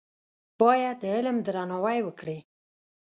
باید د علم درناوی وکړې.